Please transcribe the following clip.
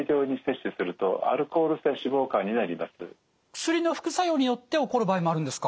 薬の副作用によって起こる場合もあるんですか？